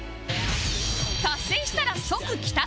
達成したら即帰宅